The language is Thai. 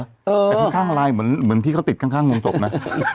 แต่ทางลายเหมือนที่เขาติดข้างลงศพนะ